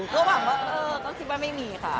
ก็คิดว่าไม่มีค่ะ